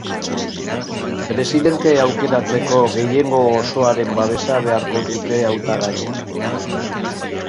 Presidente aukeratzeko gehiengo osoaren babesa beharko dute hautagaiek.